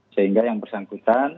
sehingga yang bersangkutan